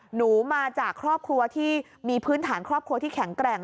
หนูมาจากครอบครัวที่มีพื้นฐานครอบครัวที่แข็งแกร่ง